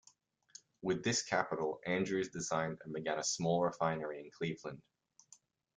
With this capital, Andrews designed and began a small refinery in Cleveland.